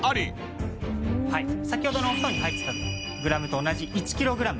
先ほどのお布団に入っていたグラムと同じ１キログラム。